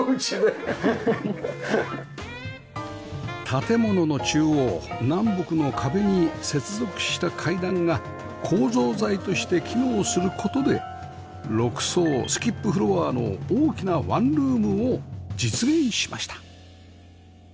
建物の中央南北の壁に接続した階段が構造材として機能する事で６層スキップフロアの大きなワンルームを実現しました